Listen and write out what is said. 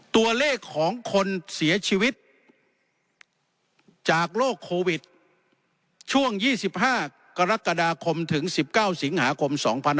ตัวเลขของคนเสียชีวิตจากโรคโควิดช่วง๒๕กรกฎาคมถึง๑๙สิงหาคม๒๕๖๒